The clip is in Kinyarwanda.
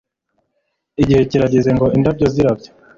Igihe kirageze ngo indabyo zirabya